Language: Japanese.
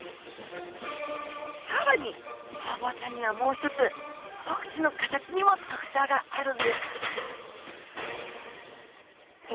更にホウボウちゃんにはもう一つお口の形にも特徴があるんですさあ